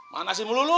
mana sih mulu mulu